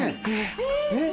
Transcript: えっ。